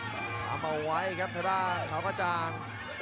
ทำเอาไว้ครับเทอด้านเขาหาจัง